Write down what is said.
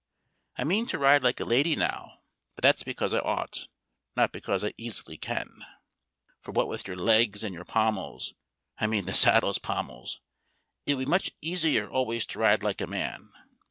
I mean to ride like a lady now, but that's because I ought, not because I easily can; For what with your legs and your pommels (I mean the saddle's pommels), it would be much easier always to ride like a man.